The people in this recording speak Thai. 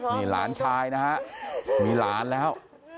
นี่หลานชายนะฮะมีหลานแล้ว